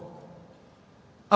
apabila kita bisa mencari